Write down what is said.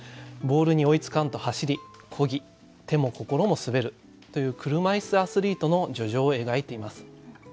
ボールに追いつかんと走り漕ぎ手も心も滑るという車いすアスリートの叙情を描いています。